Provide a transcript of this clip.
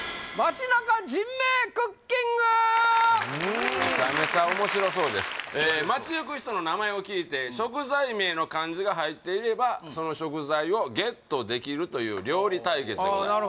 めちゃめちゃ面白そうです街行く人の名前を聞いて食材名の漢字が入っていればその食材をゲットできるという料理対決でございます